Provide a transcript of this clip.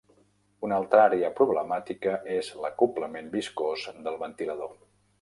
Una altra àrea problemàtica és l'acoblament viscós del ventilador.